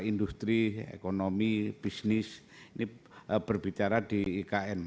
industri ekonomi bisnis ini berbicara di ikn